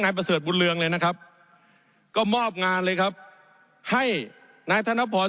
ประเสริฐบุญเรืองเลยนะครับก็มอบงานเลยครับให้นายธนพร